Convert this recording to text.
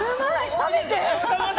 食べて！